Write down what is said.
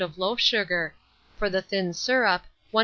of loaf sugar; for the thin syrup, 1/4 lb.